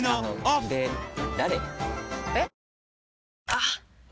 あっ！